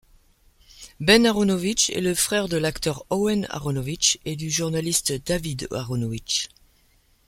Ben Aaronovitch est le frère de l'acteur Owen Aaronovitch et du journaliste David Aaronovitch.